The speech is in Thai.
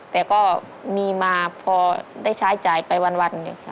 แต่ก็มีมาพอได้ใช้จ่ายไปวันหนึ่งค่ะ